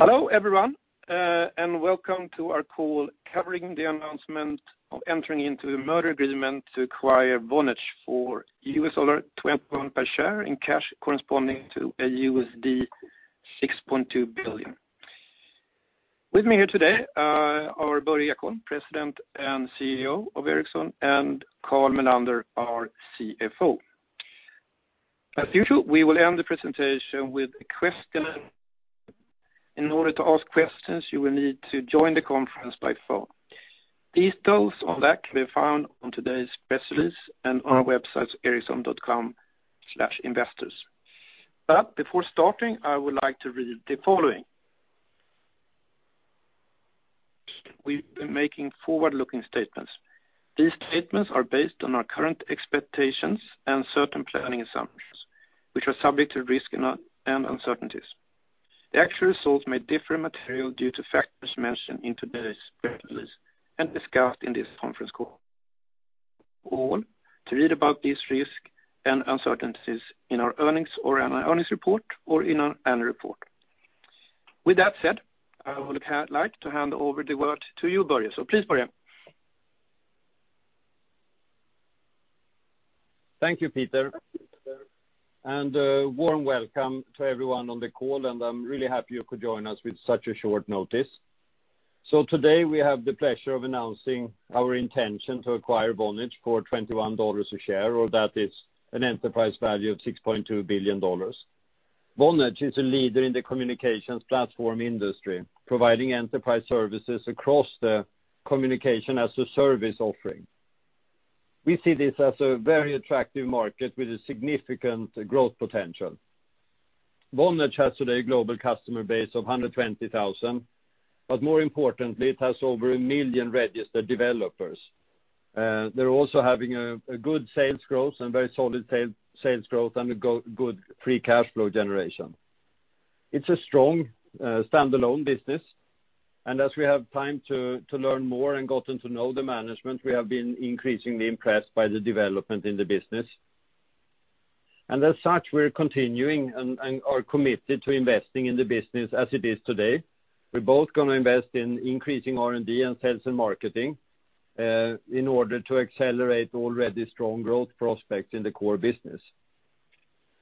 Hello, everyone, and welcome to our call covering the announcement of entering into the merger agreement to acquire Vonage for $21 per share in cash corresponding to a $6.2 billion. With me here today are Börje Ekholm, President and CEO of Ericsson, and Carl Mellander, our CFO. As usual, we will end the presentation with a question. In order to ask questions, you will need to join the conference by phone. Details on that can be found on today's press release and on our websites, ericsson.com/investors. Before starting, I would like to read the following. We've been making forward-looking statements. These statements are based on our current expectations and certain planning assumptions, which are subject to risk and uncertainties. The actual results may differ materially due to factors mentioned in today's press release and discussed in this conference call. All to read about these risks and uncertainties in our earnings or in our earnings report or in our annual report. With that said, I would like to hand over the word to you, Börje. Please, Börje. Thank you, Peter. A warm welcome to everyone on the call, and I'm really happy you could join us with such a short notice. Today, we have the pleasure of announcing our intention to acquire Vonage for $21 a share, or that is an enterprise value of $6.2 billion. Vonage is a leader in the communications platform industry, providing enterprise services across the communication as a service offering. We see this as a very attractive market with a significant growth potential. Vonage has today a global customer base of 120,000, but more importantly, it has over 1 million registered developers. They're also having a good sales growth and very solid sales growth and a good free cash flow generation. It's a strong standalone business. As we have time to learn more and gotten to know the management, we have been increasingly impressed by the development in the business. As such, we're continuing and are committed to investing in the business as it is today. We're both gonna invest in increasing R&D and sales and marketing in order to accelerate already strong growth prospects in the core business.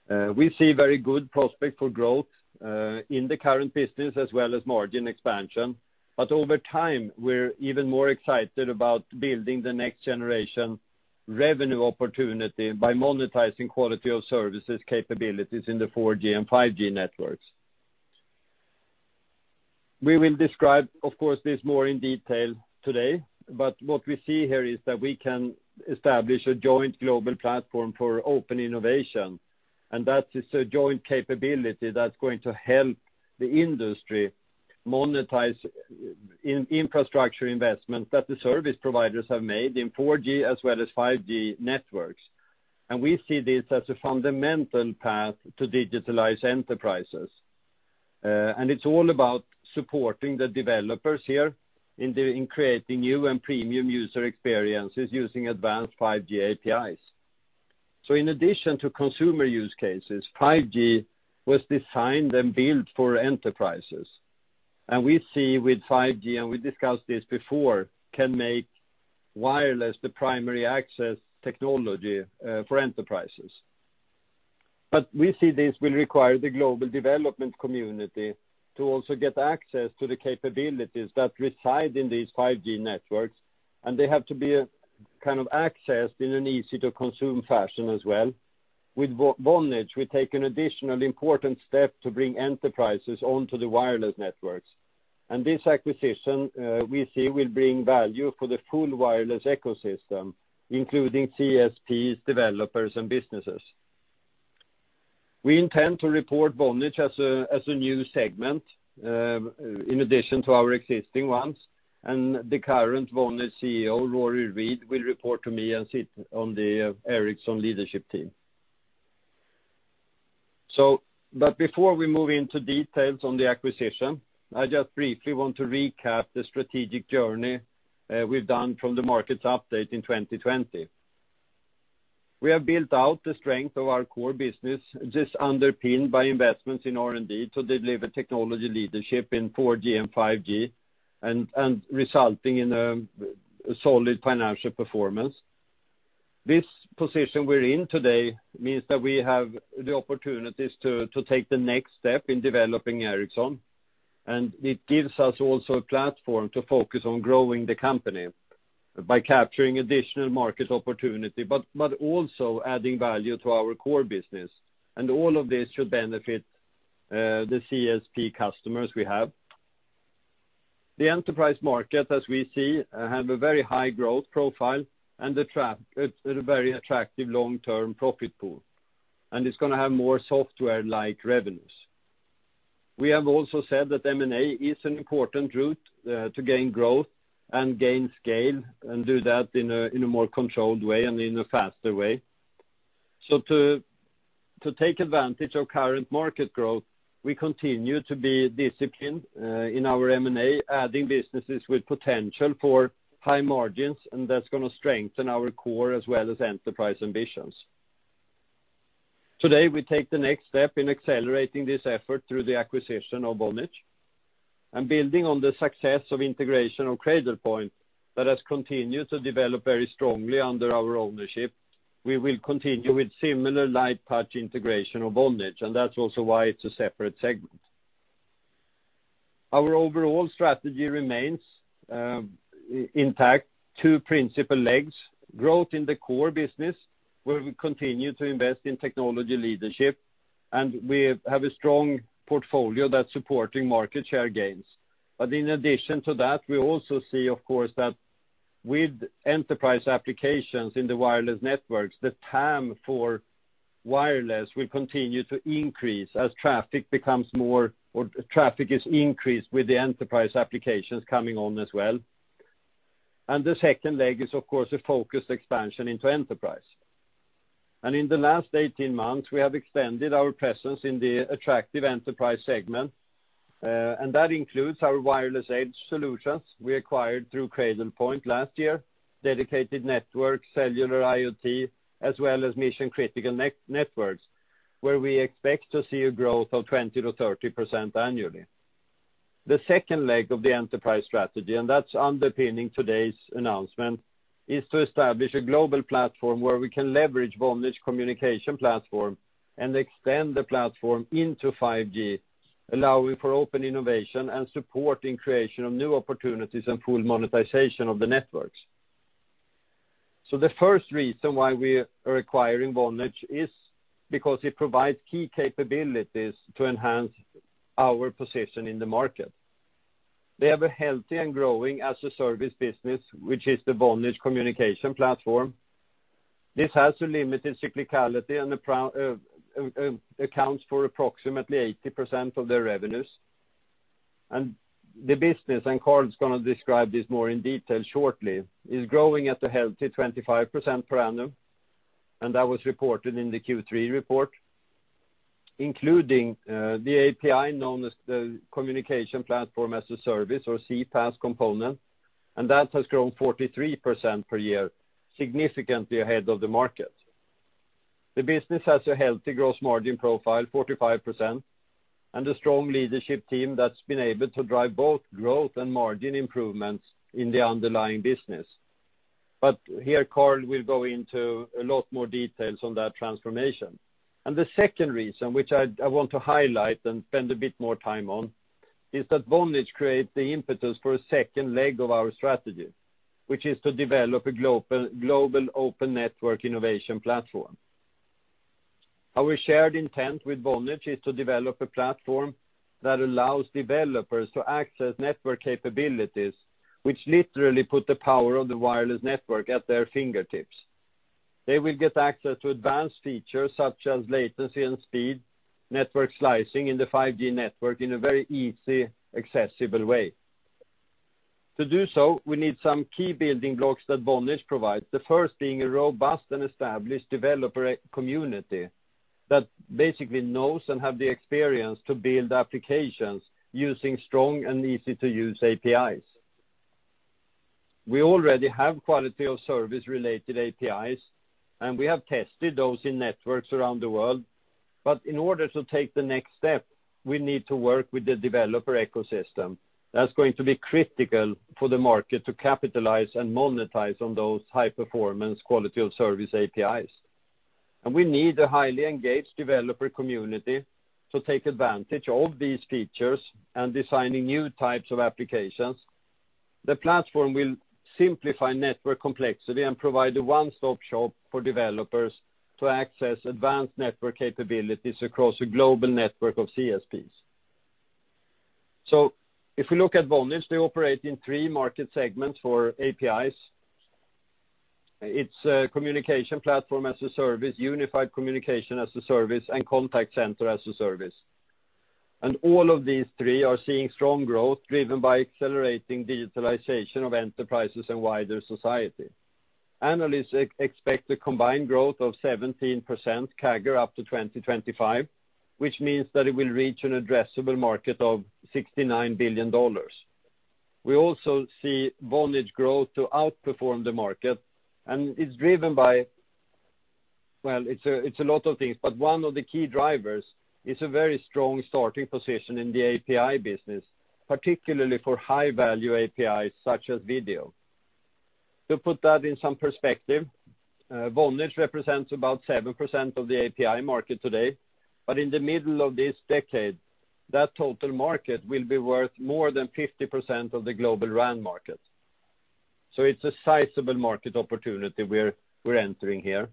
We see very good prospect for growth in the current business as well as margin expansion. Over time, we're even more excited about building the next generation revenue opportunity by monetizing quality of services capabilities in the 4G and 5G networks. We will describe, of course, this more in detail today, but what we see here is that we can establish a joint global platform for open innovation. That is a joint capability that's going to help the industry monetize infrastructure investment that the service providers have made in 4G as well as 5G networks. We see this as a fundamental path to digitalize enterprises. It's all about supporting the developers here in creating new and premium user experiences using advanced 5G APIs. In addition to consumer use cases, 5G was designed and built for enterprises. We see with 5G, and we discussed this before, can make wireless the primary access technology for enterprises. We see this will require the global development community to also get access to the capabilities that reside in these 5G networks, and they have to be kind of accessed in an easy to consume fashion as well. With Vonage, we take an additional important step to bring enterprises onto the wireless networks. This acquisition, we see will bring value for the full wireless ecosystem, including CSPs, developers, and businesses. We intend to report Vonage as a new segment in addition to our existing ones. The current Vonage CEO, Rory Read, will report to me and sit on the Ericsson leadership team. Before we move into details on the acquisition, I just briefly want to recap the strategic journey we've done from the markets update in 2020. We have built out the strength of our core business, this underpinned by investments in R&D to deliver technology leadership in 4G and 5G and resulting in solid financial performance. This position we're in today means that we have the opportunities to take the next step in developing Ericsson. It gives us also a platform to focus on growing the company by capturing additional market opportunity, but also adding value to our core business. All of this should benefit the CSP customers we have. The enterprise market, as we see, have a very high growth profile and a very attractive long-term profit pool. It's gonna have more software-like revenues. We have also said that M&A is an important route to gain growth and gain scale and do that in a more controlled way and in a faster way. To take advantage of current market growth, we continue to be disciplined in our M&A, adding businesses with potential for high margins, and that's gonna strengthen our core as well as enterprise ambitions. Today, we take the next step in accelerating this effort through the acquisition of Vonage. Building on the success of integration of Cradlepoint that has continued to develop very strongly under our ownership, we will continue with similar light touch integration of Vonage, and that's also why it's a separate segment. Our overall strategy remains intact. Two principal legs. Growth in the core business, where we continue to invest in technology leadership, and we have a strong portfolio that's supporting market share gains. In addition to that, we also see, of course, that with enterprise applications in the wireless networks, the time for wireless will continue to increase as traffic is increased with the enterprise applications coming on as well. The second leg is of course a focused expansion into enterprise. In the last 18 months, we have extended our presence in the attractive enterprise segment, and that includes our wireless edge solutions we acquired through Cradlepoint last year, dedicated network, cellular IoT, as well as mission-critical networks, where we expect to see a growth of 20%-30% annually. The second leg of the enterprise strategy, and that's underpinning today's announcement, is to establish a global platform where we can leverage Vonage Communications Platform and extend the platform into 5G, allowing for open innovation and supporting creation of new opportunities and full monetization of the networks. The first reason why we are acquiring Vonage is because it provides key capabilities to enhance our position in the market. They have a healthy and growing as-a-service business, which is the Vonage Communications Platform. This has a limited cyclicality and accounts for approximately 80% of their revenues. The business, and Carl's gonna describe this more in detail shortly, is growing at a healthy 25% per annum, and that was reported in the Q3 report, including the API known as the Communication Platform as a Service or CPaaS component, and that has grown 43% per year, significantly ahead of the market. The business has a healthy gross margin profile, 45%, and a strong leadership team that's been able to drive both growth and margin improvements in the underlying business. Here, Carl will go into a lot more details on that transformation. The second reason, which I want to highlight and spend a bit more time on, is that Vonage creates the impetus for a second leg of our strategy, which is to develop a global open network innovation platform. Our shared intent with Vonage is to develop a platform that allows developers to access network capabilities, which literally put the power of the wireless network at their fingertips. They will get access to advanced features such as latency and speed, network slicing in the 5G network in a very easy, accessible way. To do so, we need some key building blocks that Vonage provides. The first being a robust and established developer community that basically knows and have the experience to build applications using strong and easy-to-use APIs. We already have quality of service-related APIs, and we have tested those in networks around the world. In order to take the next step, we need to work with the developer ecosystem. That's going to be critical for the market to capitalize and monetize on those high-performance quality of service APIs. We need a highly engaged developer community to take advantage of these features and designing new types of applications. The platform will simplify network complexity and provide a one-stop shop for developers to access advanced network capabilities across a global network of CSPs. If you look at Vonage, they operate in three market segments for APIs. It's communication platform as a service, unified communication as a service, and contact center as a service. All of these three are seeing strong growth driven by accelerating digitalization of enterprises and wider society. Analysts expect a combined growth of 17% CAGR up to 2025, which means that it will reach an addressable market of $69 billion. We also see Vonage growth to outperform the market, and it's driven by... Well, it's a lot of things, but one of the key drivers is a very strong starting position in the API business, particularly for high-value APIs such as video. To put that in some perspective, Vonage represents about 7% of the API market today, but in the middle of this decade, that total market will be worth more than 50% of the global RAN market. It's a sizable market opportunity we're entering here.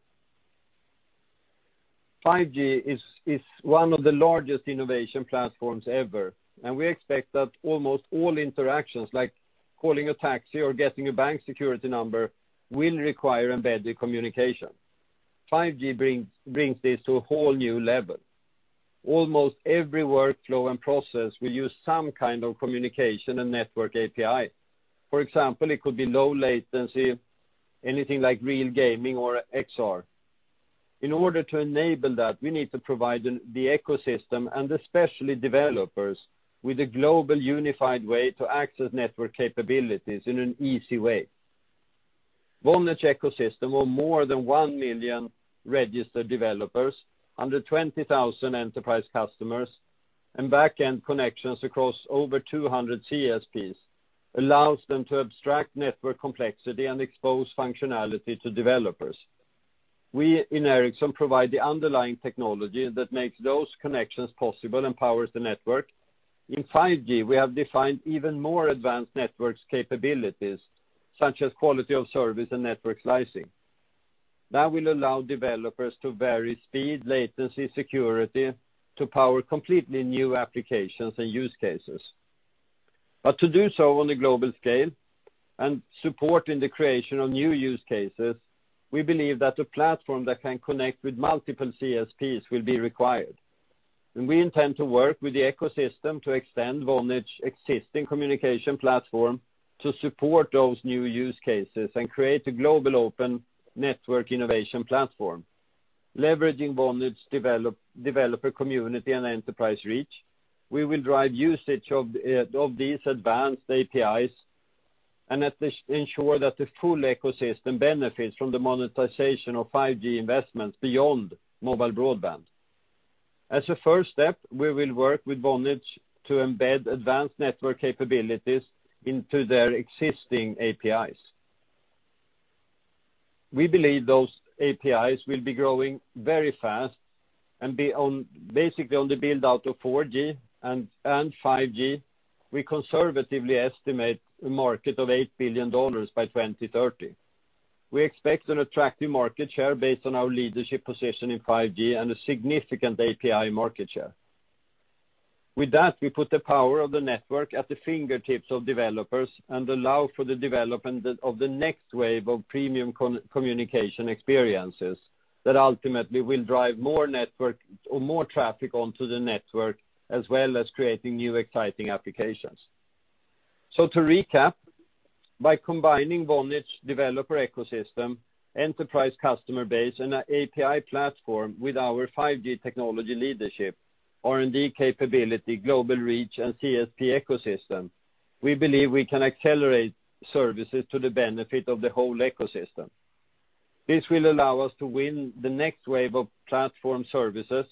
5G is one of the largest innovation platforms ever, and we expect that almost all interactions, like calling a taxi or getting a bank security number, will require embedded communication. 5G brings this to a whole new level. Almost every workflow and process will use some kind of communication and network API. For example, it could be low latency, anything like real gaming or XR. In order to enable that, we need to provide the ecosystem, and especially developers, with a global unified way to access network capabilities in an easy way. Vonage ecosystem of more than 1 million registered developers, under 20,000 enterprise customers, and back-end connections across over 200 CSPs allows them to abstract network complexity and expose functionality to developers. We in Ericsson provide the underlying technology that makes those connections possible and powers the network. In 5G, we have defined even more advanced network capabilities, such as quality of service and network slicing. That will allow developers to vary speed, latency, security to power completely new applications and use cases. To do so on a global scale and supporting the creation of new use cases, we believe that a platform that can connect with multiple CSPs will be required. We intend to work with the ecosystem to extend Vonage existing communication platform to support those new use cases and create a global open network innovation platform. Leveraging Vonage developer community and enterprise reach, we will drive usage of of these advanced APIs and in this ensure that the full ecosystem benefits from the monetization of 5G investments beyond mobile broadband. As a first step, we will work with Vonage to embed advanced network capabilities into their existing APIs. We believe those APIs will be growing very fast and be basically on the build-out of 4G and 5G. We conservatively estimate a market of $8 billion by 2030. We expect an attractive market share based on our leadership position in 5G and a significant API market share. With that, we put the power of the network at the fingertips of developers and allow for the development of the next wave of premium communication experiences that ultimately will drive more network traffic onto the network, as well as creating new exciting applications. To recap, by combining Vonage developer ecosystem, enterprise customer base, and an API platform with our 5G technology leadership, R&D capability, global reach, and CSP ecosystem, we believe we can accelerate services to the benefit of the whole ecosystem. This will allow us to win the next wave of platform services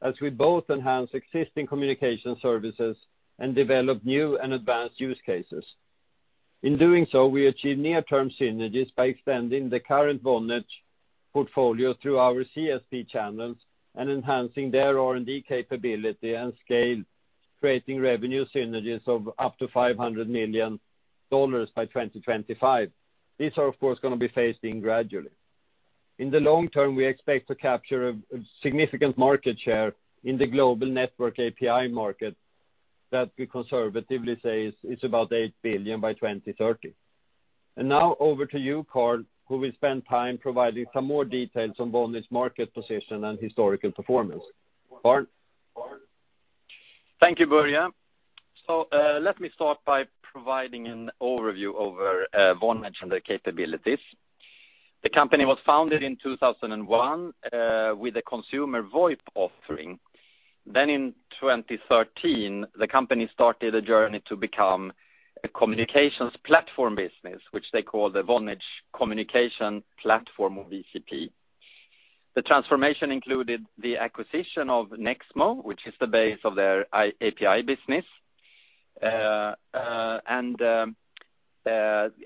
as we both enhance existing communication services and develop new and advanced use cases. In doing so, we achieve near-term synergies by extending the current Vonage portfolio through our CSP channels and enhancing their R&D capability and scale, creating revenue synergies of up to $500 million by 2025. These are, of course, gonna be phased in gradually. In the long term, we expect to capture a significant market share in the global network API market that we conservatively say is about $8 billion by 2030. Now over to you, Carl, who will spend time providing some more details on Vonage market position and historical performance. Carl? Thank you, Börje. Let me start by providing an overview over Vonage and their capabilities. The company was founded in 2001 with a consumer VoIP offering. In 2013, the company started a journey to become a communications platform business, which they call the Vonage Communications Platform or VCP. The transformation included the acquisition of Nexmo, which is the base of their API business.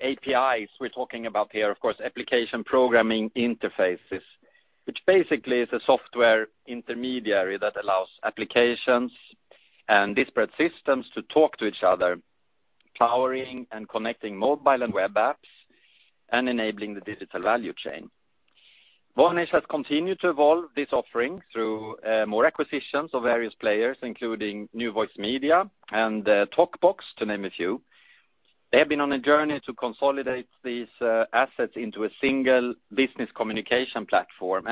APIs we're talking about here, of course, application programming interfaces, which basically is a software intermediary that allows applications and disparate systems to talk to each other, powering and connecting mobile and web apps and enabling the digital value chain. Vonage has continued to evolve this offering through more acquisitions of various players, including NewVoiceMedia and TokBox, to name a few. They have been on a journey to consolidate these assets into a single business communication platform.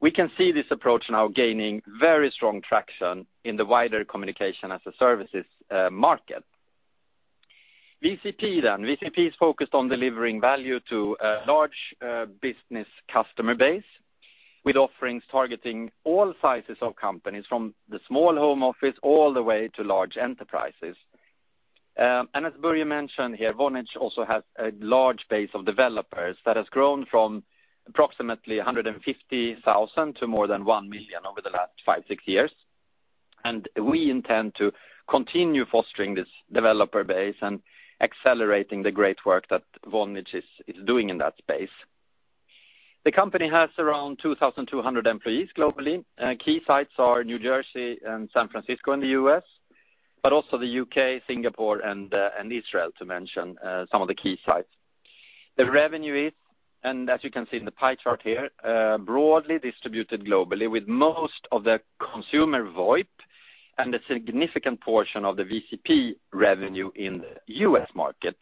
We can see this approach now gaining very strong traction in the wider communications as a service market. VCP then. VCP is focused on delivering value to a large business customer base with offerings targeting all sizes of companies, from the small home office all the way to large enterprises. As Börje mentioned here, Vonage also has a large base of developers that has grown from approximately 150,000 to more than 1 million over the last five or six years. We intend to continue fostering this developer base and accelerating the great work that Vonage is doing in that space. The company has around 2,200 employees globally. Key sites are New Jersey and San Francisco in the U.S., but also the U.K., Singapore, and Israel, to mention some of the key sites. The revenue is, and as you can see in the pie chart here, broadly distributed globally with most of the consumer VoIP and a significant portion of the VCP revenue in the U.S. market,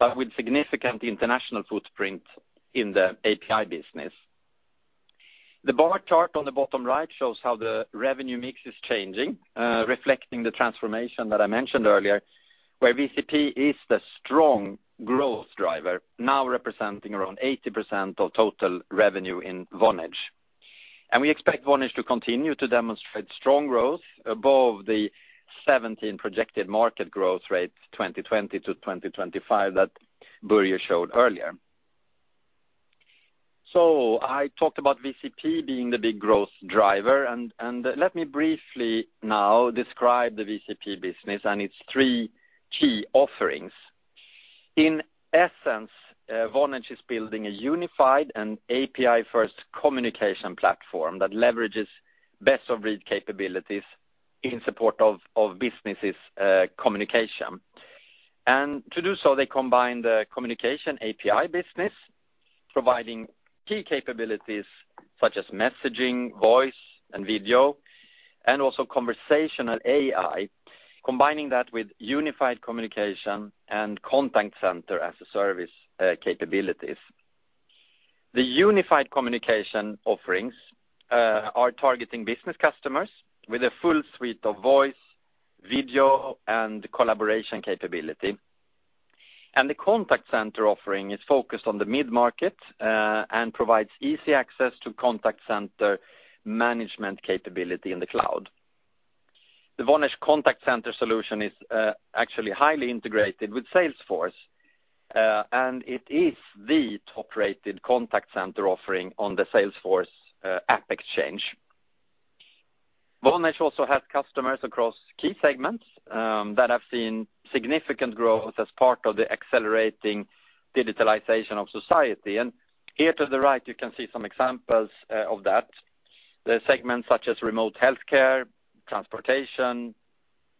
but with significant international footprint in the API business. The bar chart on the bottom right shows how the revenue mix is changing, reflecting the transformation that I mentioned earlier, where VCP is the strong growth driver, now representing around 80% of total revenue in Vonage. We expect Vonage to continue to demonstrate strong growth above the 17% projected market growth rate 2020-2025 that Börje showed earlier. I talked about VCP being the big growth driver, and let me briefly now describe the VCP business and its three key offerings. In essence, Vonage is building a unified and API-first communication platform that leverages best of breed capabilities in support of businesses' communication. To do so, they combine the communication API business, providing key capabilities such as messaging, voice, and video, and also conversational AI, combining that with unified communication and contact center as a service capabilities. The unified communication offerings are targeting business customers with a full suite of voice, video, and collaboration capability. The contact center offering is focused on the mid-market, and provides easy access to contact center management capability in the cloud. The Vonage contact center solution is actually highly integrated with Salesforce, and it is the top-rated contact center offering on the Salesforce app exchange. Vonage also has customers across key segments that have seen significant growth as part of the accelerating digitalization of society. Here to the right, you can see some examples of that. The segments such as remote healthcare, transportation,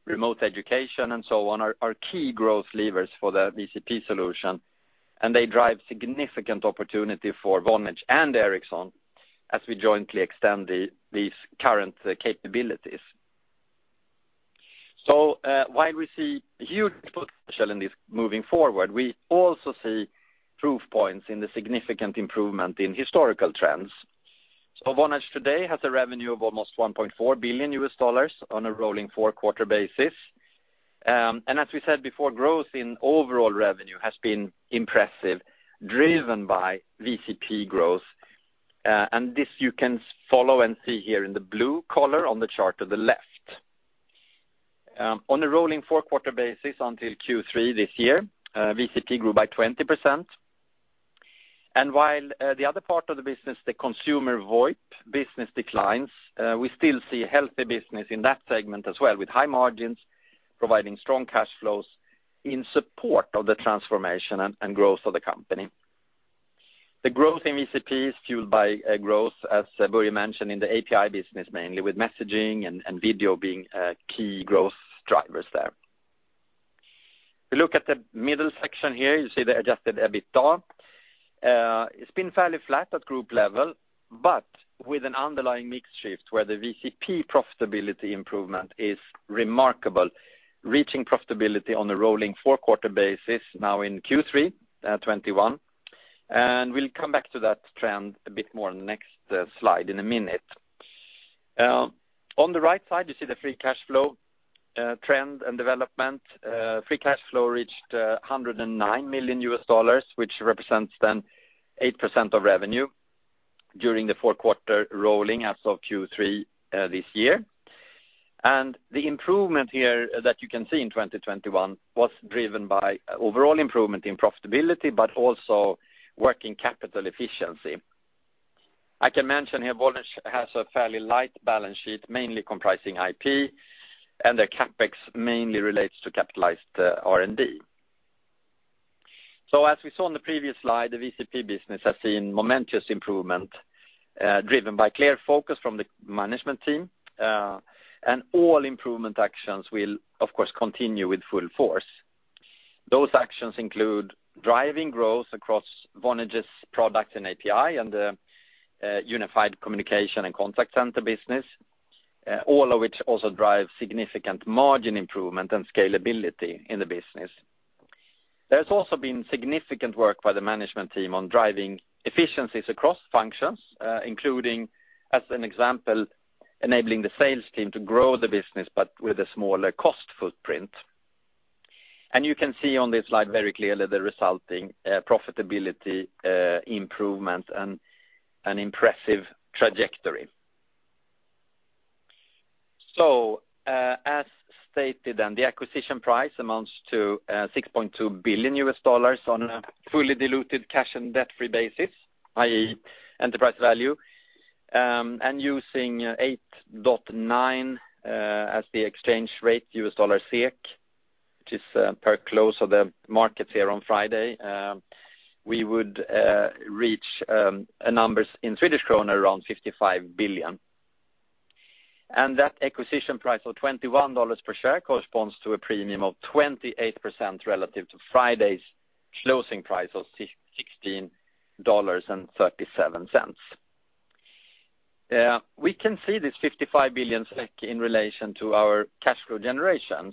remote education, and so on are key growth levers for the VCP solution, and they drive significant opportunity for Vonage and Ericsson as we jointly extend these current capabilities. While we see huge potential in this moving forward, we also see proof points in the significant improvement in historical trends. Vonage today has a revenue of almost $1.4 billion on a rolling four-quarter basis. As we said before, growth in overall revenue has been impressive, driven by VCP growth. This you can follow and see here in the blue color on the chart to the left. On a rolling four-quarter basis until Q3 this year, VCP grew by 20%. While the other part of the business, the consumer VoIP business declines, we still see healthy business in that segment as well, with high margins providing strong cash flows in support of the transformation and growth of the company. The growth in VCP is fueled by a growth, as Börje mentioned, in the API business mainly, with messaging and video being key growth drivers there. If you look at the middle section here, you see the Adjusted EBITDA. It's been fairly flat at group level, but with an underlying mix shift where the VCP profitability improvement is remarkable, reaching profitability on a rolling four-quarter basis now in Q3 2021. We'll come back to that trend a bit more in the next slide in a minute. On the right side, you see the free cash flow trend and development. Free cash flow reached $109 million, which represents then 8% of revenue during the four-quarter rolling as of Q3 this year. The improvement here that you can see in 2021 was driven by overall improvement in profitability, but also working capital efficiency. I can mention here Vonage has a fairly light balance sheet, mainly comprising IP, and their CapEx mainly relates to capitalized R&D. As we saw on the previous slide, the VCP business has seen momentous improvement, driven by clear focus from the management team, and all improvement actions will of course continue with full force. Those actions include driving growth across Vonage's product and API and unified communication and contact center business, all of which also drive significant margin improvement and scalability in the business. There's also been significant work by the management team on driving efficiencies across functions, including, as an example, enabling the sales team to grow the business, but with a smaller cost footprint. You can see on this slide very clearly the resulting profitability improvement and an impressive trajectory. As stated, and the acquisition price amounts to $6.2 billion on a fully diluted cash and debt-free basis, i.e. enterprise value, and using 8.9 as the exchange rate USD/SEK, which is per close of the markets here on Friday, we would reach numbers in Swedish krona around 55 billion. That acquisition price of $21 per share corresponds to a premium of 28% relative to Friday's closing price of $16.37. We can see this 55 billion SEK in relation to our cash flow generation.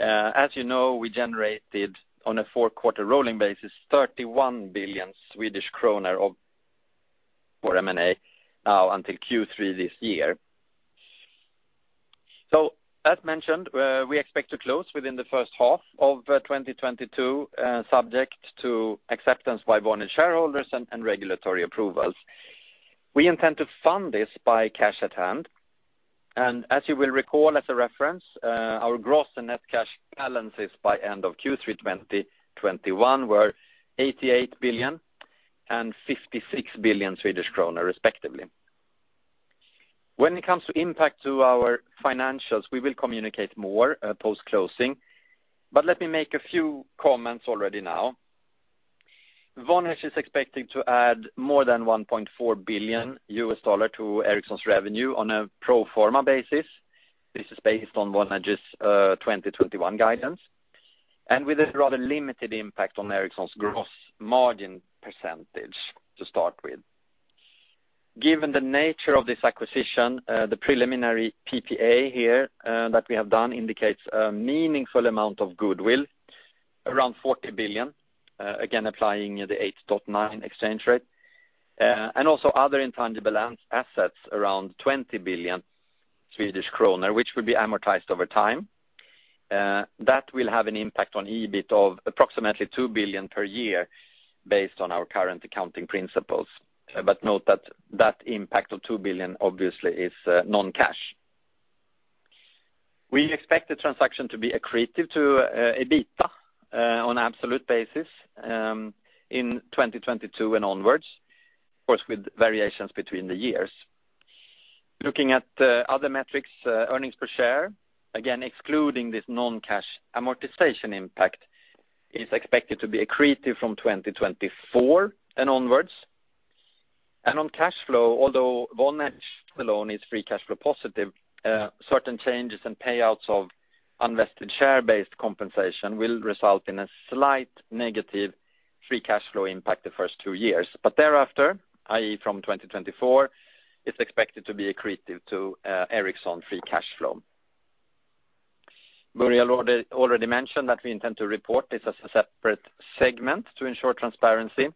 As you know, we generated on a four-quarter rolling basis 31 billion Swedish kronor of for M&A until Q3 this year. As mentioned, we expect to close within the first half of 2022, subject to acceptance by Vonage shareholders and regulatory approvals. We intend to fund this by cash at hand. As you will recall as a reference, our gross and net cash balances by end of Q3 2021 were 88 billion and 56 billion Swedish kronor respectively. When it comes to impact to our financials, we will communicate more post-closing. Let me make a few comments already now. Vonage is expecting to add more than $1.4 billion to Ericsson's revenue on a pro forma basis. This is based on Vonage's 2021 guidance. With a rather limited impact on Ericsson's gross margin percentage to start with. Given the nature of this acquisition, the preliminary PPA here that we have done indicates a meaningful amount of goodwill, around 40 billion, again, applying the 8.9 exchange rate. And also other intangible assets, around 20 billion Swedish kronor, which will be amortized over time. That will have an impact on EBIT of approximately 2 billion per year based on our current accounting principles. Note that that impact of 2 billion obviously is non-cash. We expect the transaction to be accretive to EBITDA on absolute basis in 2022 and onwards, of course, with variations between the years. Looking at other metrics, earnings per share, again, excluding this non-cash amortization impact, is expected to be accretive from 2024 and onwards. On cash flow, although Vonage alone is free cash flow positive, certain changes in payouts of unvested share-based compensation will result in a slight negative free cash flow impact the first two years. Thereafter, i.e. from 2024, it's expected to be accretive to Ericsson free cash flow. Börje already mentioned that we intend to report this as a separate segment to ensure transparency.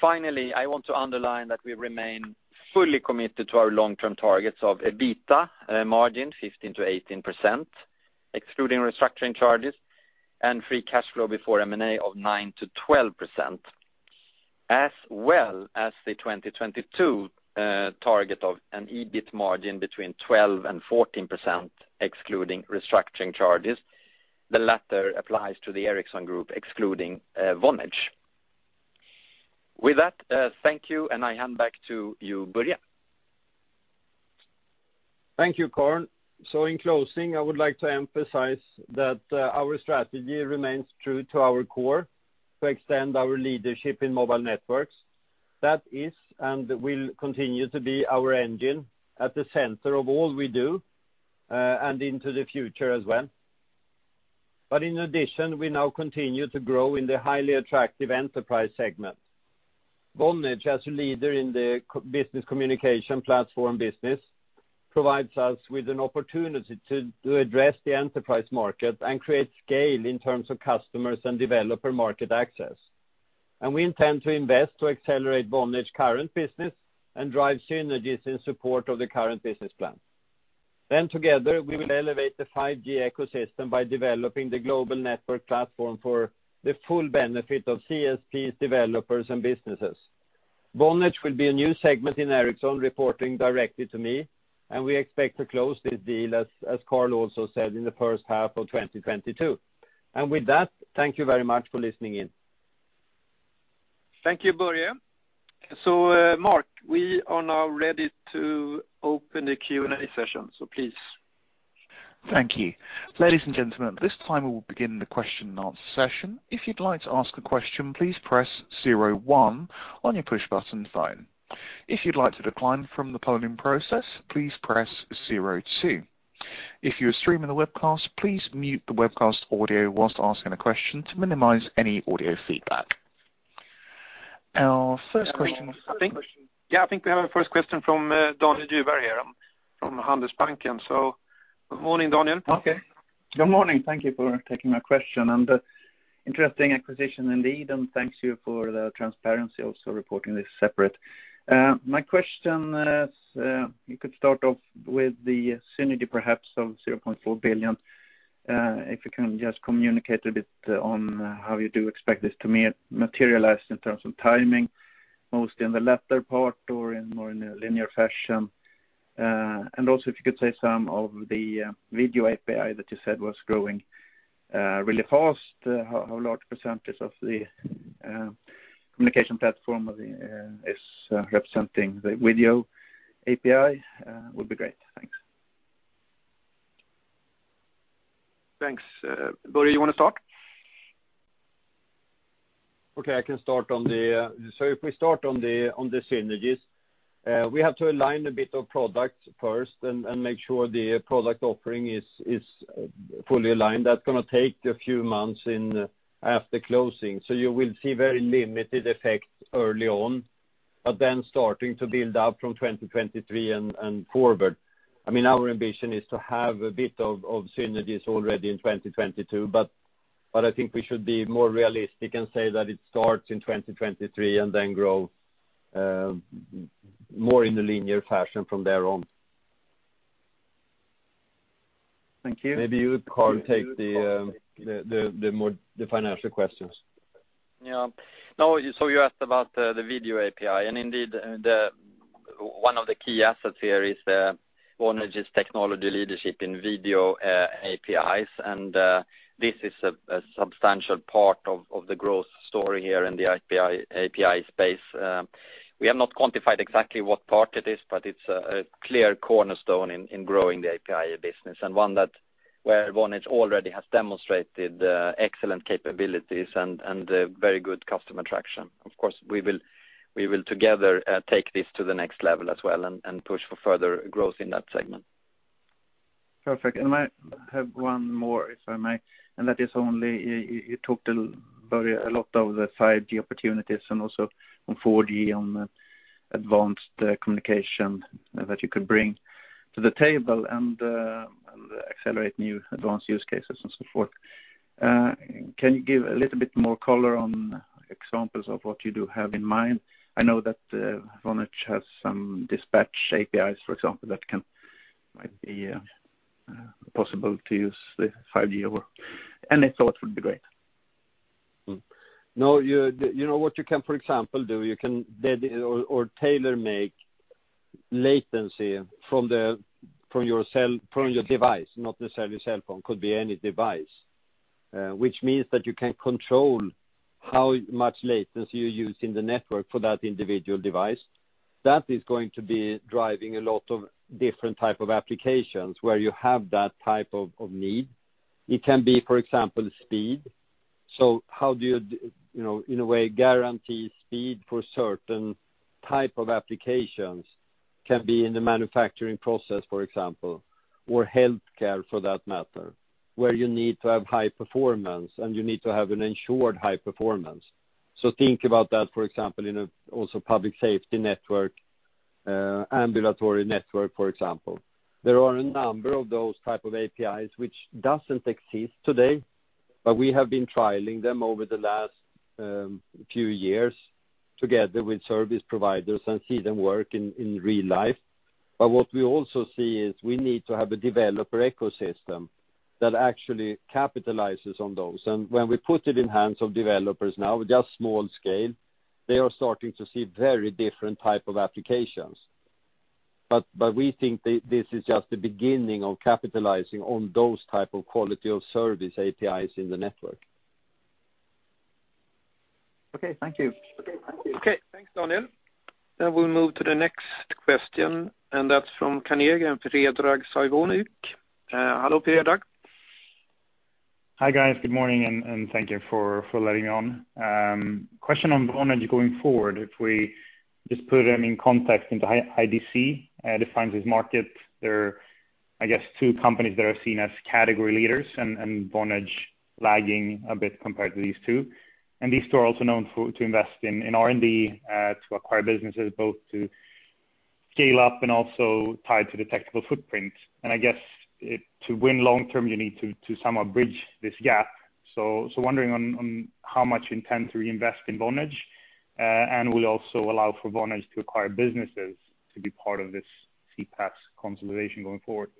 Finally, I want to underline that we remain fully committed to our long-term targets of EBITDA margin 15%-18%, excluding restructuring charges, and free cash flow before M&A of 9%-12%. As well as the 2022 target of an EBIT margin between 12% and 14%, excluding restructuring charges. The latter applies to the Ericsson group, excluding Vonage. With that, thank you, and I hand back to you, Börje. Thank you, Carl. In closing, I would like to emphasize that our strategy remains true to our core, to extend our leadership in mobile networks. That is, and will continue to be our engine at the center of all we do, and into the future as well. In addition, we now continue to grow in the highly attractive enterprise segment. Vonage, as a leader in the CPaaS business communication platform business, provides us with an opportunity to address the enterprise market and create scale in terms of customers and developer market access. We intend to invest to accelerate Vonage current business and drive synergies in support of the current business plan. Together, we will elevate the 5G ecosystem by developing the global network platform for the full benefit of CSPs, developers, and businesses. Vonage will be a new segment in Ericsson reporting directly to me, and we expect to close this deal, as Carl also said, in the first half of 2022. With that, thank you very much for listening in. Thank you, Börje. Mark, we are now ready to open the Q&A session. Please. Thank you. Ladies and gentlemen, at this time we will begin the question and answer session. If you'd like to ask a question, please press zero one on your push button phone. If you'd like to decline from the polling process, please press zero two. If you are streaming the webcast, please mute the webcast audio while asking a question to minimize any audio feedback. Our first question. Yeah, I think we have our first question from Daniel Djurberg from Handelsbanken. Good morning, Daniel. Okay. Good morning. Thank you for taking my question. Interesting acquisition indeed, and thank you for the transparency also for reporting this separately. My question is, you could start off with the synergy perhaps of 0.4 billion. If you can just communicate a bit on how you do expect this to materialize in terms of timing, mostly in the latter part or in more in a linear fashion. Also if you could say some of the video API that you said was growing really fast, how large percentage of the communication platform of the is representing the video API, would be great. Thanks. Thanks. Börje, you wanna start? If we start on the synergies, we have to align a bit of products first and make sure the product offering is fully aligned. That's gonna take a few months after closing. You will see very limited effects early on, but then starting to build up from 2023 and forward. I mean, our ambition is to have a bit of synergies already in 2022, but I think we should be more realistic and say that it starts in 2023 and then grow more in the linear fashion from there on. Thank you. Maybe you, Carl, take the more financial questions. Yeah. No, so you asked about the video API, and indeed, one of the key assets here is Vonage's technology leadership in video APIs. This is a substantial part of the growth story here in the API space. We have not quantified exactly what part it is, but it's a clear cornerstone in growing the API business, and one that where Vonage already has demonstrated excellent capabilities and very good customer traction. Of course, we will together take this to the next level as well and push for further growth in that segment. Perfect. I have one more, if I may, and that is only you talked a little, Börje, a lot of the 5G opportunities and also on 4G on advanced communication that you could bring to the table and accelerate new advanced use cases and so forth. Can you give a little bit more color on examples of what you do have in mind? I know that Vonage has some dispatch APIs, for example, that might be possible to use the 5G over. Any thoughts would be great. No, you know what you can, for example, do. You can tailor make latency from your device, not necessarily cell phone, could be any device. Which means that you can control how much latency you use in the network for that individual device. That is going to be driving a lot of different type of applications where you have that type of need. It can be, for example, speed. How do you know, in a way guarantee speed for certain type of applications can be in the manufacturing process, for example, or healthcare for that matter, where you need to have high performance and you need to have an ensured high performance. Think about that, for example, in a also public safety network, ambulatory network, for example. There are a number of those type of APIs which doesn't exist today, but we have been trialing them over the last few years together with service providers and see them work in real life. What we also see is we need to have a developer ecosystem that actually capitalizes on those. When we put it in hands of developers now, just small scale, they are starting to see very different type of applications. We think this is just the beginning of capitalizing on those type of quality of service APIs in the network. Okay. Thank you. Okay. Thanks, Daniel. Now we'll move to the next question, and that's from Carnegie and Predrag Savinovic. Hello, Predrag. Hi, guys. Good morning, and thank you for letting me on. Question on Vonage going forward. If we just put them in context into IDC defines this market, there are, I guess, two companies that are seen as category leaders and Vonage lagging a bit compared to these two. These two are also known to invest in R&D to acquire businesses both to scale up and also tied to the technical footprint. I guess to win long-term, you need to somehow bridge this gap. Wondering on how much you intend to reinvest in Vonage and will also allow for Vonage to acquire businesses to be part of this CPaaS consolidation going forward.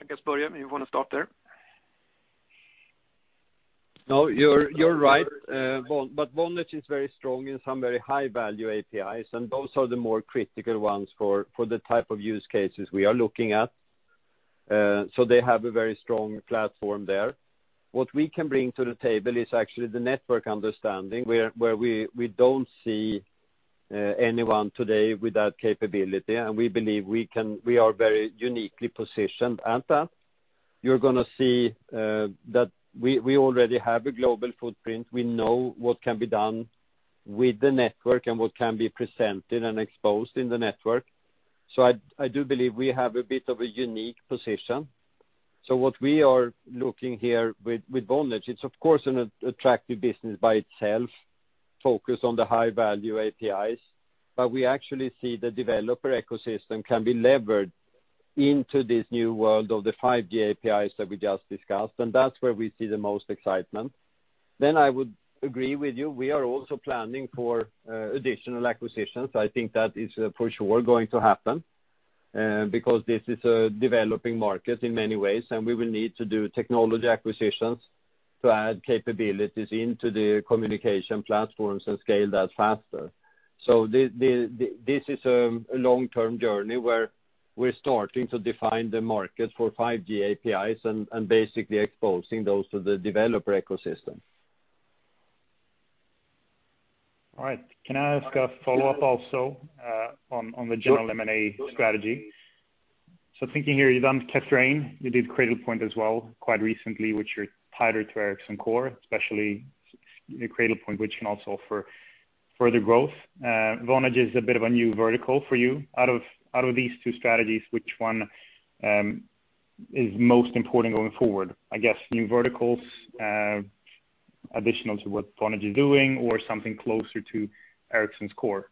I guess, Börje, you wanna start there? No, you're right. But Vonage is very strong in some very high-value APIs, and those are the more critical ones for the type of use cases we are looking at. So they have a very strong platform there. What we can bring to the table is actually the network understanding where we don't see anyone today with that capability, and we believe we are very uniquely positioned at that. You're gonna see that we already have a global footprint. We know what can be done with the network and what can be presented and exposed in the network. So I do believe we have a bit of a unique position. What we are looking here with Vonage, it's of course an attractive business by itself, focused on the high-value APIs, but we actually see the developer ecosystem can be levered into this new world of the 5G APIs that we just discussed, and that's where we see the most excitement. I would agree with you, we are also planning for additional acquisitions. I think that is for sure going to happen, because this is a developing market in many ways, and we will need to do technology acquisitions to add capabilities into the communication platforms and scale that faster. This is a long-term journey where we're starting to define the market for 5G APIs and basically exposing those to the developer ecosystem. All right. Can I ask a follow-up also on the general M&A strategy? Thinking here, you've done Kathrein, you did Cradlepoint as well quite recently, which are tighter to Ericsson's core, especially Cradlepoint, which can also offer further growth. Vonage is a bit of a new vertical for you. Out of these two strategies, which one is most important going forward? I guess new verticals additional to what Vonage is doing or something closer to Ericsson's core?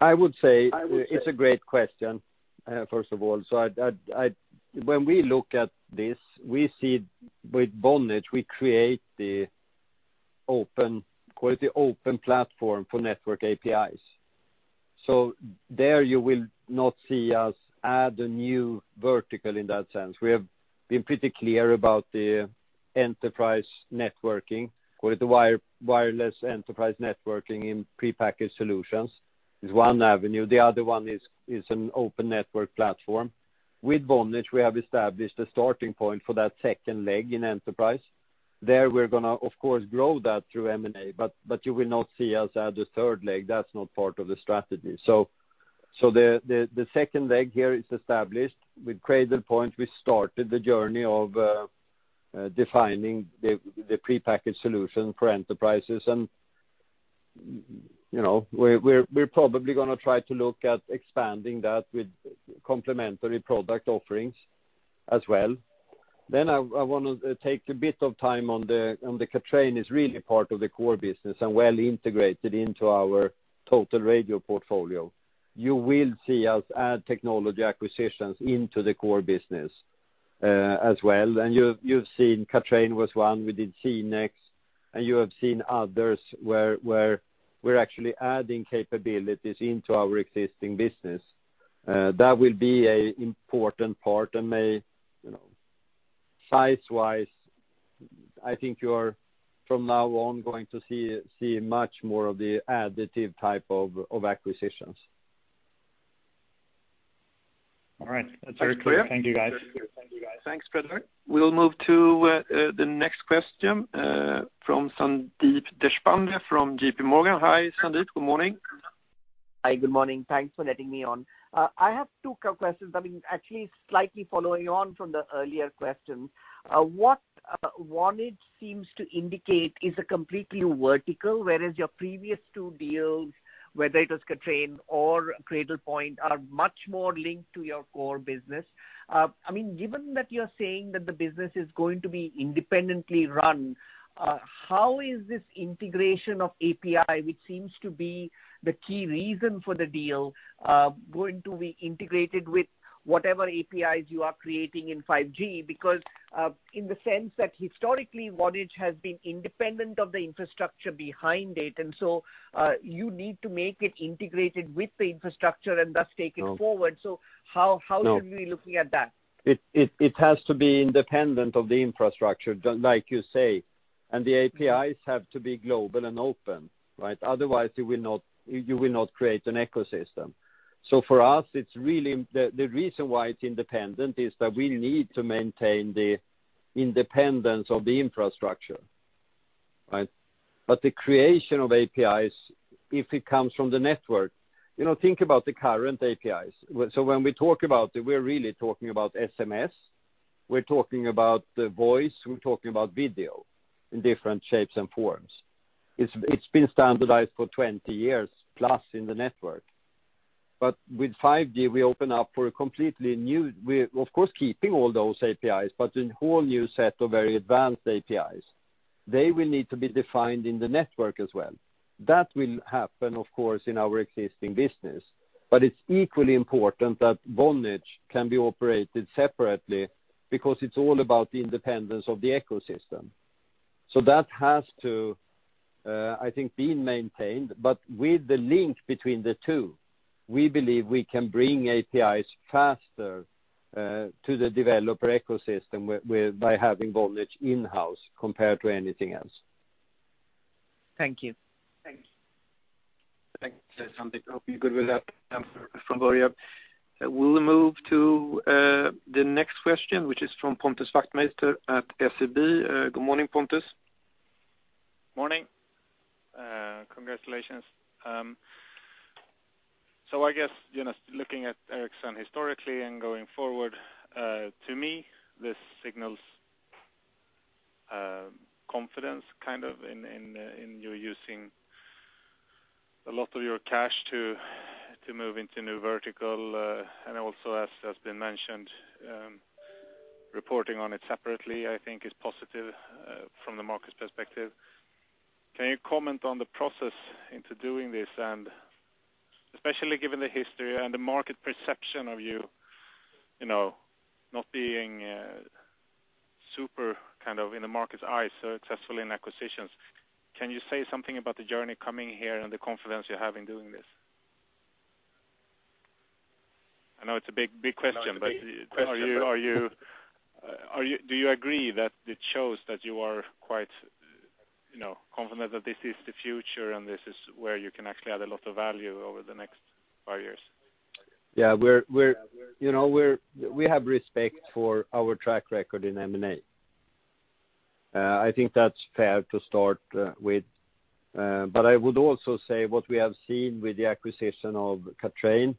I would say it's a great question, first of all. When we look at this, we see with Vonage, we create the open, call it the open platform for network APIs. There you will not see us add a new vertical in that sense. We have been pretty clear about the enterprise networking. Call it the wireless enterprise networking in prepackaged solutions is one avenue. The other one is an open network platform. With Vonage, we have established a starting point for that second leg in enterprise. There we're gonna, of course, grow that through M&A, but you will not see us add a third leg. That's not part of the strategy. The second leg here is established. With Cradlepoint, we started the journey of defining the prepackaged solution for enterprises and, you know, we're probably gonna try to look at expanding that with complementary product offerings as well. I wanna take a bit of time on the Kathrein, is really part of the core business and well integrated into our total radio portfolio. You will see us add technology acquisitions into the core business, as well. And you've seen Kathrein was one, we did CENX, and you have seen others where we're actually adding capabilities into our existing business. That will be an important part and may, you know, size-wise, I think you're from now on going to see much more of the additive type of acquisitions. All right. That's very clear. Thank you, guys. Thanks, Predrag. We'll move to the next question from Sandeep Deshpande from JPMorgan. Hi, Sandeep. Good morning. Hi, good morning. Thanks for letting me on. I have two questions. I mean, actually slightly following on from the earlier question. What Vonage seems to indicate is a completely vertical, whereas your previous two deals, whether it was Kathrein or Cradlepoint, are much more linked to your core business. I mean, given that you're saying that the business is going to be independently run, how is this integration of API, which seems to be the key reason for the deal, going to be integrated with whatever APIs you are creating in 5G? Because, in the sense that historically, Vonage has been independent of the infrastructure behind it, and so, you need to make it integrated with the infrastructure and thus take it forward. How are you looking at that? It has to be independent of the infrastructure, just like you say, and the APIs have to be global and open, right? Otherwise, you will not create an ecosystem. For us, it's really the reason why it's independent is that we need to maintain the independence of the infrastructure, right? The creation of APIs, if it comes from the network, you know, think about the current APIs. When we talk about it, we're really talking about SMS, we're talking about the voice, we're talking about video in different shapes and forms. It's been standardized for 20 years plus in the network. With 5G, we open up for a completely new, we're of course keeping all those APIs, but a whole new set of very advanced APIs. They will need to be defined in the network as well. That will happen, of course, in our existing business. It's equally important that Vonage can be operated separately because it's all about the independence of the ecosystem. That has to, I think, be maintained, but with the link between the two, we believe we can bring APIs faster to the developer ecosystem by having Vonage in-house compared to anything else. Thank you. Thank you. Thank you, Sandeep. Hope you're good with that from Börje. We'll move to the next question, which is from Pontus Wachtmeister at SEB. Good morning, Pontus. Morning. Congratulations. So I guess, you know, looking at Ericsson historically and going forward, to me, this signals confidence kind of in in you using a lot of your cash to move into new vertical. And also as been mentioned, reporting on it separately, I think is positive from the market's perspective. Can you comment on the process into doing this? And especially given the history and the market perception of you know, not being super kind of in the market's eyes successfully in acquisitions. Can you say something about the journey coming here and the confidence you have in doing this? I know it's a big, big question, but do you agree that it shows that you are quite, you know, confident that this is the future and this is where you can actually add a lot of value over the next five years? Yeah. We're, you know, we have respect for our track record in M&A. I think that's fair to start with. I would also say what we have seen with the acquisition of Kathrein,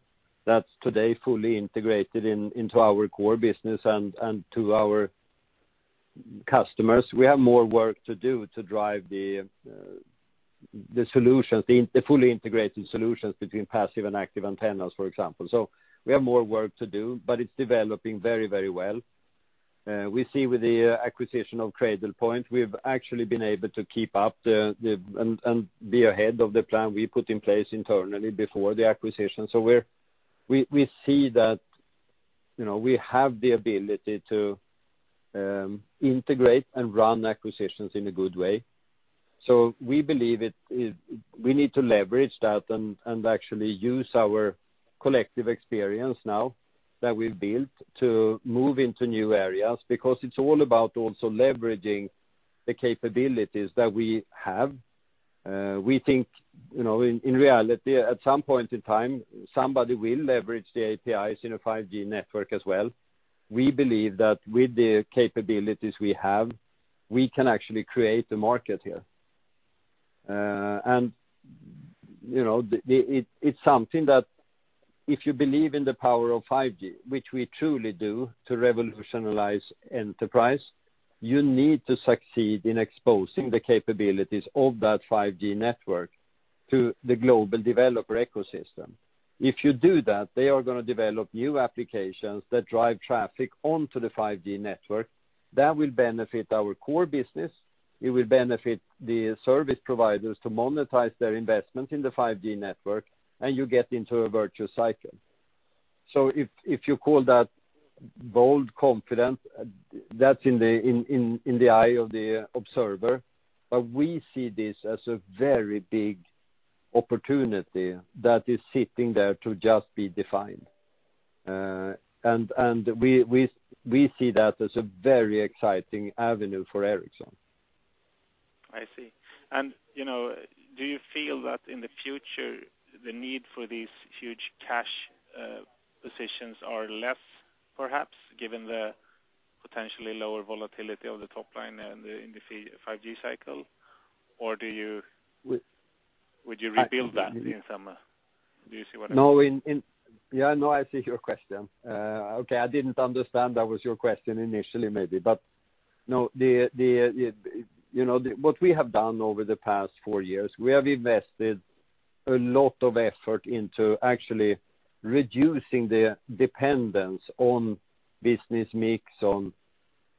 that's today fully integrated into our core business and to our customers. We have more work to do to drive the solutions, the fully integrated solutions between passive and active antennas, for example. We have more work to do, but it's developing very, very well. We see with the acquisition of Cradlepoint, we've actually been able to keep up and be ahead of the plan we put in place internally before the acquisition. We see that, you know, we have the ability to integrate and run acquisitions in a good way. We believe we need to leverage that and actually use our collective experience now that we've built to move into new areas, because it's all about also leveraging the capabilities that we have. We think, you know, in reality, at some point in time, somebody will leverage the APIs in a 5G network as well. We believe that with the capabilities we have, we can actually create the market here. You know, it's something that if you believe in the power of 5G, which we truly do, to revolutionize enterprise, you need to succeed in exposing the capabilities of that 5G network to the global developer ecosystem. If you do that, they are gonna develop new applications that drive traffic onto the 5G network. That will benefit our core business. It will benefit the service providers to monetize their investment in the 5G network, and you get into a virtuous cycle. If you call that bold confidence, that's in the eye of the observer. We see this as a very big opportunity that is sitting there to just be defined. We see that as a very exciting avenue for Ericsson. I see. You know, do you feel that in the future, the need for these huge cash positions are less, perhaps, given the potentially lower volatility of the top line and then in the 5G cycle? Or do you- We- Would you rebuild that in some, do you see what I'm? No. Yeah, no, I see your question. Okay, I didn't understand that was your question initially, maybe. No, you know, what we have done over the past four years, we have invested a lot of effort into actually reducing the dependence on business mix, on,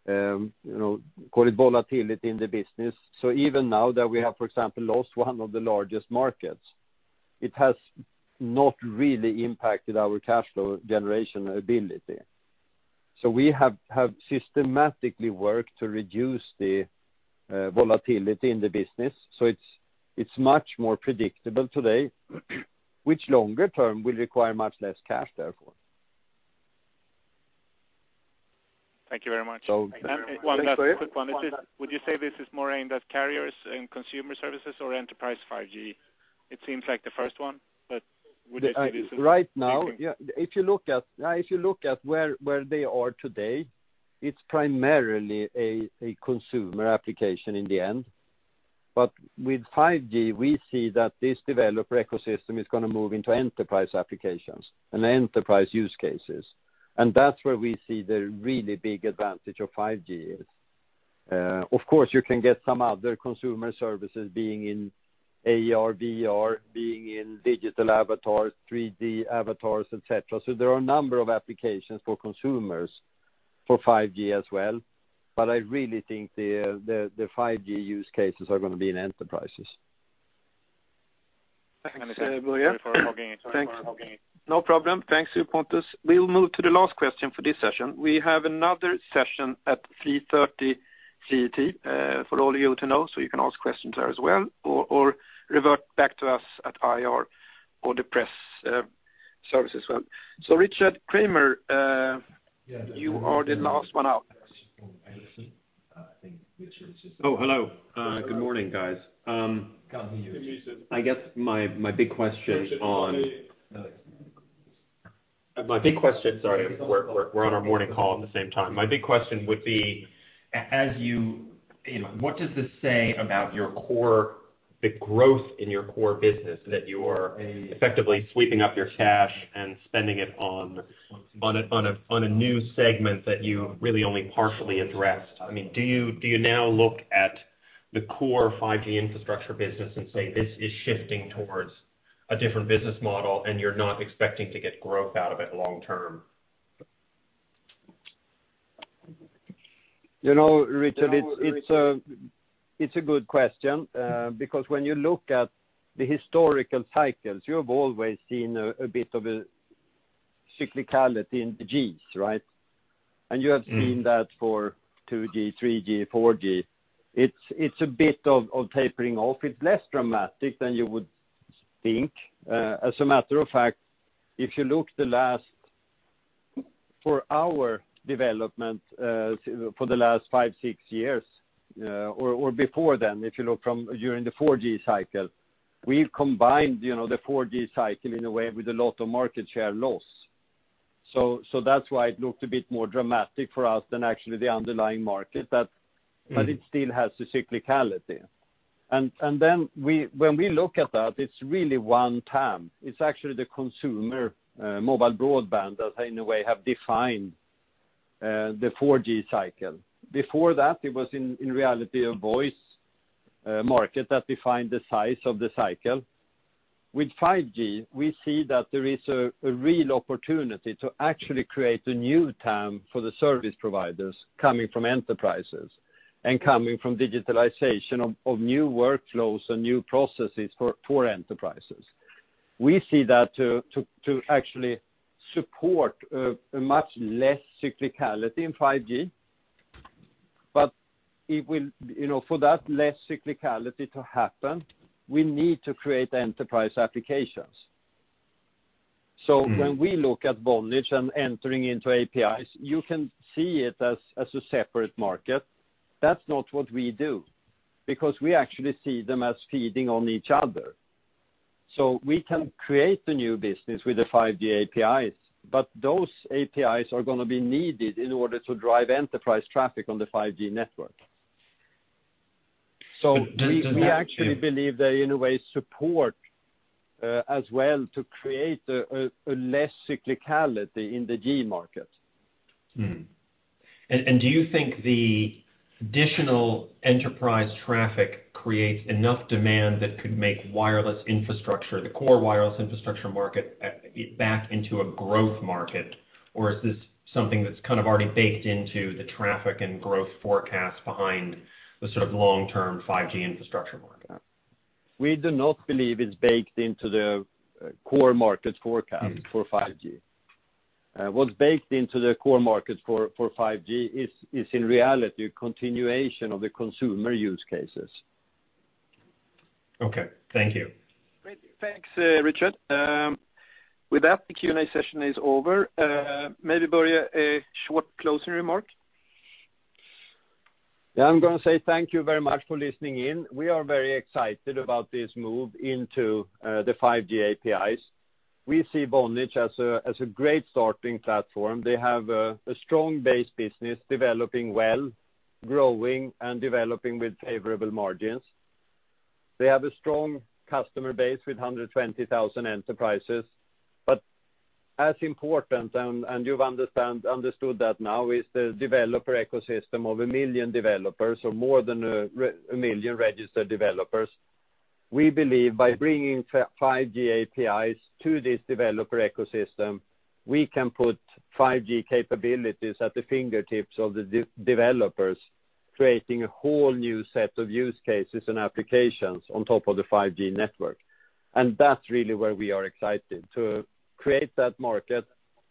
you know, call it volatility in the business. Even now that we have, for example, lost one of the largest markets, it has not really impacted our cash flow generation ability. We have systematically worked to reduce the volatility in the business. It's much more predictable today, which longer term will require much less cash, therefore. Thank you very much. So- One last quick one. Would you say this is more aimed at carriers and consumer services or enterprise 5G? It seems like the first one, but would you say this is- Right now. Okay. Yeah. If you look at where they are today, it's primarily a consumer application in the end. With 5G, we see that this developer ecosystem is gonna move into enterprise applications and enterprise use cases. That's where we see the really big advantage of 5G is. Of course, you can get some other consumer services being in AR, VR, being in digital avatars, 3D avatars, et cetera. There are a number of applications for consumers for 5G as well. I really think the 5G use cases are gonna be in enterprises. Thanks. Is it, Börje? Sorry for hogging. No problem. Thanks to you, Pontus. We'll move to the last question for this session. We have another session at 3:30 P.M. CET for all of you to know, so you can ask questions there as well, or revert back to us at IR or the press service as well. Richard Kramer, Yeah. You are the last one out. Oh, hello. Good morning, guys. Can't hear you. Richard, are you? My big question, sorry, we're on our morning call at the same time. My big question would be, as you know, what does this say about your core, the growth in your core business that you are effectively sweeping up your cash and spending it on a new segment that you really only partially addressed? I mean, do you now look at the core 5G infrastructure business and say, this is shifting towards a different business model, and you're not expecting to get growth out of it long term? You know, Richard, it's a good question. Because when you look at the historical cycles, you have always seen a bit of a cyclicality in the G's, right? You have seen that for 2G, 3G, 4G. It's a bit of tapering off. It's less dramatic than you would think. As a matter of fact, if you look at our development for the last five or six years, or before then, if you look from during the 4G cycle, we've combined, you know, the 4G cycle in a way with a lot of market share loss. That's why it looked a bit more dramatic for us than actually the underlying market that Mm-hmm. It still has the cyclicality. When we look at that, it's really one term. It's actually the consumer mobile broadband that in a way have defined the 4G cycle. Before that, it was in reality a voice market that defined the size of the cycle. With 5G, we see that there is a real opportunity to actually create a new TAM for the service providers coming from enterprises and coming from digitalization of new workflows and new processes for enterprises. We see that to actually support a much less cyclicality in 5G. It will. You know, for that less cyclicality to happen, we need to create enterprise applications. When we look at Vonage and entering into APIs, you can see it as a separate market. That's not what we do, because we actually see them as feeding on each other. We can create the new business with the 5G APIs, but those APIs are gonna be needed in order to drive enterprise traffic on the 5G network. We actually believe they, in a way, support as well to create a less cyclicality in the 5G market. Mm-hmm. Do you think the additional enterprise traffic creates enough demand that could make wireless infrastructure, the core wireless infrastructure market, back into a growth market? Or is this something that's kind of already baked into the traffic and growth forecast behind the sort of long-term 5G infrastructure market? We do not believe it's baked into the core market forecast for 5G. What's baked into the core market for 5G is in reality a continuation of the consumer use cases. Okay. Thank you. Great. Thanks, Richard. With that, the Q&A session is over. Maybe Börje, a short closing remark. Yeah, I'm gonna say thank you very much for listening in. We are very excited about this move into the 5G APIs. We see Vonage as a great starting platform. They have a strong base business developing well, growing and developing with favorable margins. They have a strong customer base with 120,000 enterprises. As important, and you've understood that now is the developer ecosystem of 1 million developers or more than 1 million registered developers. We believe by bringing 5G APIs to this developer ecosystem, we can put 5G capabilities at the fingertips of the developers, creating a whole new set of use cases and applications on top of the 5G network. That's really where we are excited to create that market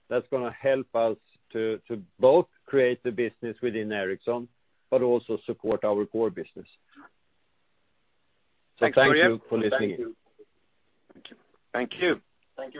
that's gonna help us to both create the business within Ericsson, but also support our core business. Thanks, Börje. Thank you for listening in. Thank you. Thank you.